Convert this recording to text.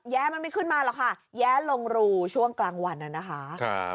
แย๊มมันไม่ขึ้นมาหรอกแย๊ลงรูช่วงกลางวันนั้น